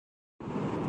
Irish